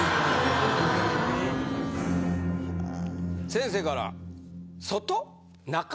先生から「外？中？